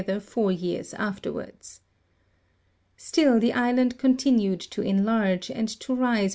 ther four years afterwards. Still the island continued to enlarge, and to rise 12.